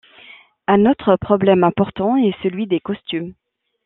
Un autre problème important est celui des costumes.